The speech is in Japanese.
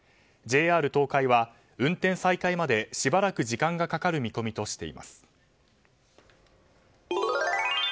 ＪＲ東海は、運転再開までしばらく時間がかかる見込みとしています。